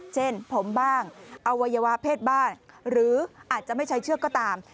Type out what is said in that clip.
เช่นผมบ้างอวัยวะเพศบ้านหรืออาจจะไม่ใช้เชือกก็ตาม